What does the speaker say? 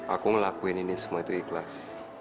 aku ngelakuin ini semua itu ikhlas